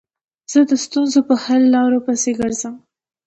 زه د ستونزو په حل لارو پيسي ګرځم.